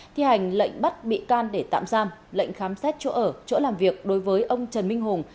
thi hành lệnh bắt bị can để tạm giam lệnh khám xét chỗ ở chỗ làm việc đối với ông trần minh hùng